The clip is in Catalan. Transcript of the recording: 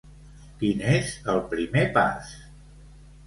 Quin és el primer pas?